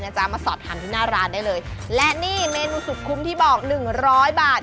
จ๊ะมาสอบถามที่หน้าร้านได้เลยและนี่เมนูสุดคุ้มที่บอกหนึ่งร้อยบาท